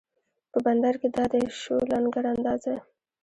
په بندر کې دا دی شو لنګر اندازه